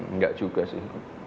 enggak juga sih